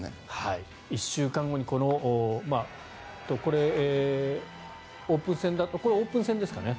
１週間後にこれ、オープン戦ですかね。